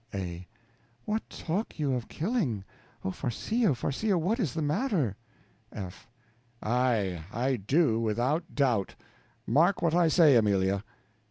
A. What, talk you of killing? Oh, Farcillo, Farcillo, what is the matter? F. Aye, I do, without doubt; mark what I say, Amelia.